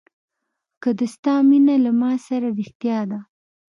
که د ستا مینه له ما سره رښتیا ده.